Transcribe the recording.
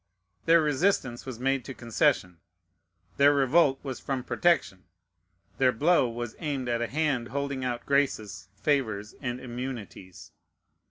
Their resistance was made to concession; their revolt was from protection; their blow was aimed at a hand holding out graces, favors, and immunities.